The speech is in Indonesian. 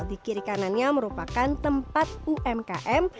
di kiri kanannya merupakan tempat umkm